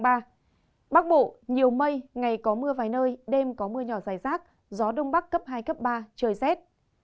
bắc bộ nhiều mây ngày có mưa vài nơi đêm có mưa nhỏ dài rác gió đông bắc cấp hai cấp ba trời rét